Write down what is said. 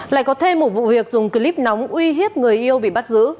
lại có thêm một vụ việc dùng clip nóng uy hiếp người yêu bị bắt giữ